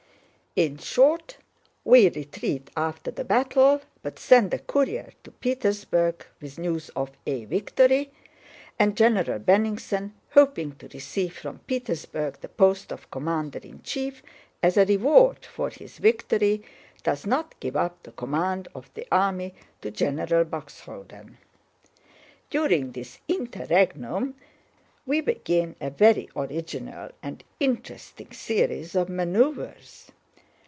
In short, we retreat after the battle but send a courier to Petersburg with news of a victory, and General Bennigsen, hoping to receive from Petersburg the post of commander in chief as a reward for his victory, does not give up the command of the army to General Buxhöwden. During this interregnum we begin a very original and interesting series of maneuvers.